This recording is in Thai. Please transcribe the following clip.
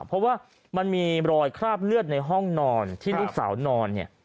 เพราะว่ามันมีรอยคราบเลือดในห้องนอนที่ลูกสาวนอนเนี่ย